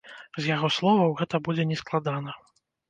З яго словаў, гэта будзе нескладана.